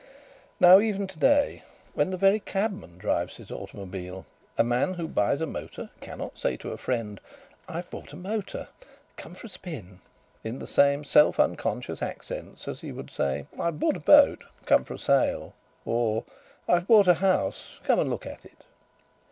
Now even to day, when the very cabman drives his automobile, a man who buys a motor cannot say to a friend: "I've bought a motor. Come for a spin," in the same self unconscious accents as he would say: "I've bought a boat. Come for a sail," or "I've bought a house. Come and look at it."